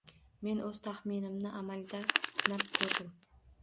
Men o'z taxminimni amalda sinab ko'rdim